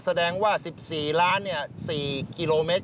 แสดงว่า๑๔ล้าน๔กิโลเมตร